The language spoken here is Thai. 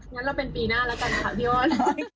งั้นเราเป็นปีหน้าแล้วกันค่ะพี่อ้อย